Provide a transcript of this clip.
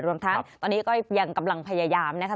รวมทั้งตอนนี้ก็ยังกำลังพยายามนะคะ